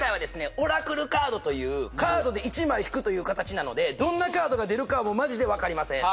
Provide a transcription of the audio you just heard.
オラクルカードというカードで１枚引くという形なのでどんなカードが出るかマジで分かりません